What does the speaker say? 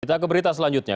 kita ke berita selanjutnya